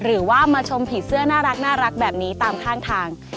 หรือว่ามาชมผีเสื้อน่ารักแบบนี้ตามข้างทาง